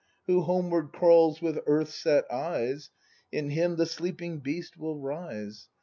Who homeward crawls with earth set eyes. In him the sleeping beast will rise.